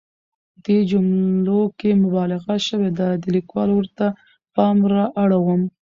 دې جملو کې مبالغه شوې ده، د ليکوال ورته پام رااړوم.